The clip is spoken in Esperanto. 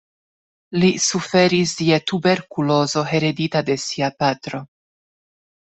Li suferis je tuberkulozo heredita de sia patro.